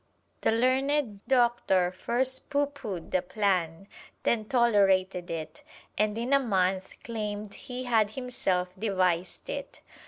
The learned Doctor first pooh poohed the plan, then tolerated it, and in a month claimed he had himself devised it.